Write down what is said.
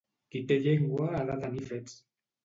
Qui té llengua ha de tenir fets.